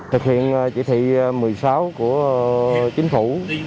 thực hiện chỉ thị một mươi sáu của chính phủ